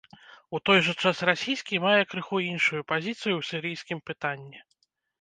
У той жа час расійскі мае крыху іншую пазіцыю ў сірыйскім пытанні.